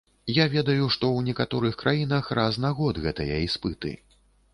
Я ведаю, што ў некаторых краінах раз на год гэтыя іспыты.